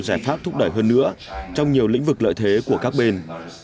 giải pháp thúc đẩy hơn nữa trong nhiều lĩnh vực lợi thế của các bên